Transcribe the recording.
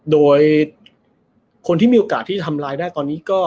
โดยคนที่มีโอกาสที่จะทำร้ายได้ตอนนี้ก็